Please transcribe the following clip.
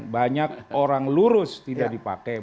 banyak orang lurus tidak dipakai